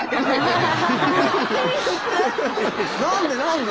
何で何で？